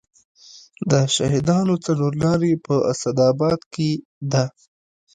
د شهیدانو څلور لارې په اسداباد ښار کې ده